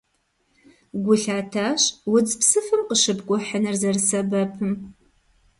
Гу лъатащ удз псыфым къыщыпкӀухьыныр зэрысэбэпым.